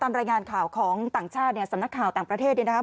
รายงานข่าวของต่างชาติเนี่ยสำนักข่าวต่างประเทศเนี่ยนะครับ